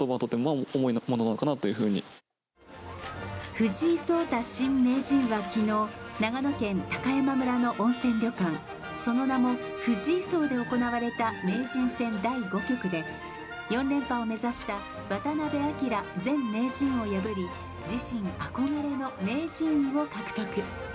藤井聡太新名人は昨日、長野県高山村の温泉旅館、その名も藤井荘で行われた名人戦第５局で４連覇を目指した渡辺明前名人を破り、自身憧れの名人位を獲得。